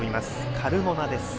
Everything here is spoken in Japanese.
カルモナです。